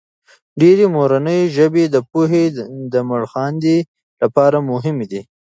ډېرې مورنۍ ژبې د پوهې د مړخاندې لپاره مهمې دي.